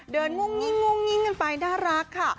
งุ่งงิ้งกันไปน่ารักค่ะ